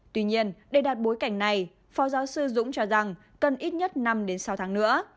tuy nhiên để đạt bối cảnh này phó giáo sư dũng cho rằng cần ít nhất năm sáu tháng nữa